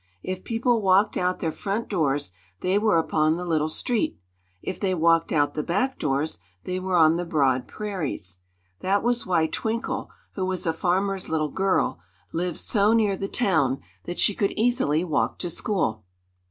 If people walked out their front doors they were upon the little street; if they walked out the back doors they were on the broad prairies. That was why Twinkle, who was a farmer's little girl, lived so near the town that she could easily walk to school.